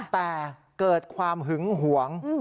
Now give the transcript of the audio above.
แต่เกิดความหึงหวง